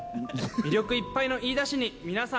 魅力いっぱいの飯田市に皆さん